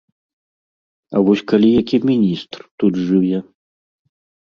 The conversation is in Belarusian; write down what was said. А вось калі які міністр тут жыве?